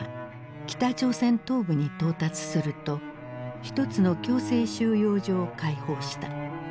北朝鮮東部に到達すると一つの強制収容所を解放した。